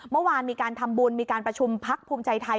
เมื่อวานมีการทำบุญมีการประชุมพักภูมิใจไทย